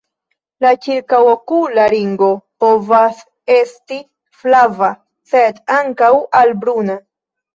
La ĉirkaŭokula ringo povas esti flava, sed ankaŭ al bruna.